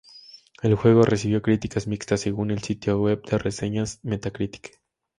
El juego recibió críticas "mixtas" según el sitio web de reseñas Metacritic.